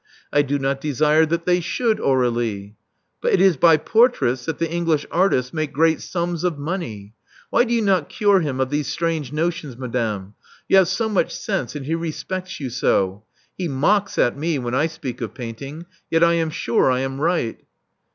I do not desire that they should, Aur^lie." But it is by portraits that the English artists make great sums of money. Why^o you not cure him of these strange notions, Madame? You have so much sense; and he respects you so. He mocks at me when I speak of painting: yet I am sure I am right."